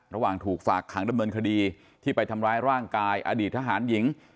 ระหว่างถูกฝากขังดำเนินคดีที่ไปทำร้ายร่างกายอดีตทหารหญิง